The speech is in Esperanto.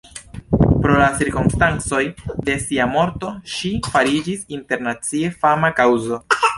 Pro la cirkonstancoj de sia morto ŝi fariĝis internacie fama kaŭzo.